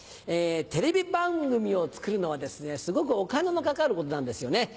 テレビ番組を作るのはすごくお金のかかることなんですよね。